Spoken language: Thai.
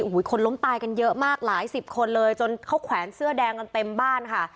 โอ้โหคนล้มตายกันเยอะมากหลายสิบคนเลยจนเขาแขวนเสื้อแดงกันเต็มบ้านค่ะ